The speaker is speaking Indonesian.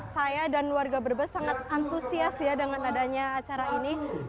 saya dan warga brebes sangat antusias ya dengan adanya acara ini